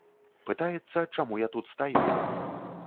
Пытаецца, чаму я тут стаю.